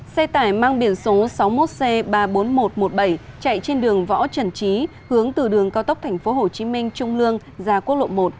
xe tải mang biển số sáu mươi một c ba mươi bốn nghìn một trăm một mươi bảy chạy trên đường võ trần trí hướng từ đường cao tốc tp hcm trung lương ra quốc lộ một